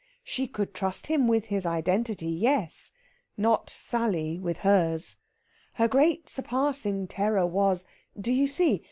She could trust him with his identity yes! Not Sally with hers. Her great surpassing terror was do you see?